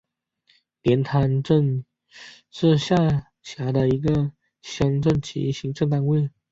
连滩镇是下辖的一个乡镇级行政单位。